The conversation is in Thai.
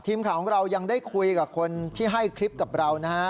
ทีมข่าวของเรายังได้คุยกับคนที่ให้คลิปกับเรานะฮะ